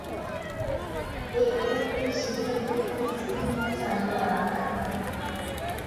এ উপলক্ষে শিক্ষাবৃত্তি স্কিমও চালু করা হয়।